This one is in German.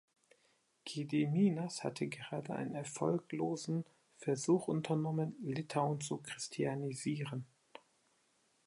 Gediminas hatte gerade einen erfolglosen Versuch unternommen, Litauen zu christianisieren.